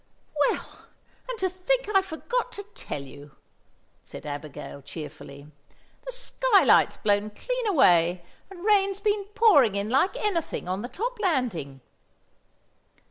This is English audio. "Well, and to think I forgot to tell you!" said Abigail cheerfully. "The skylight's blown clean away, and rain's been pouring in like anything on the top landing!"